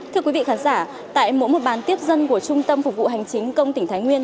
thưa quý vị khán giả tại mỗi một bàn tiếp dân của trung tâm phục vụ hành chính công tỉnh thái nguyên